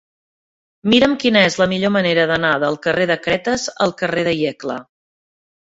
Mira'm quina és la millor manera d'anar del carrer de Cretes al carrer de Iecla.